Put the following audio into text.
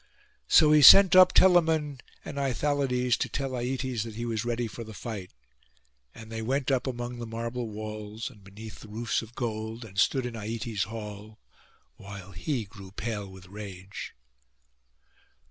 So he sent up Telamon and Aithalides to tell Aietes that he was ready for the fight; and they went up among the marble walls, and beneath the roofs of gold, and stood in Aietes' hall, while he grew pale with rage.